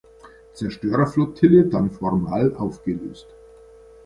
Zerstörerflottille dann formal aufgelöst.